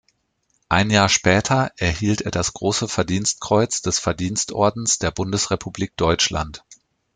Ein Jahr später erhielt er das Große Verdienstkreuz des Verdienstordens der Bundesrepublik Deutschland.